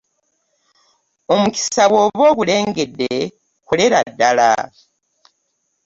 Omukisa bw'oba ogulengedde kolera ddala.